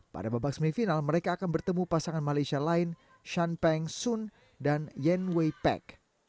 pada babak semifinal mereka akan bertemu pasangan malaysia lain shan peng sun dan yen wei pek